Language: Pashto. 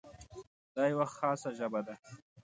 دا یوه خاصه ژبه ده.